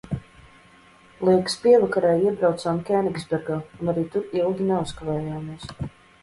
Liekas, pievakarē iebraucām Keningsbergā un arī tur ilgi neuzkavējamies.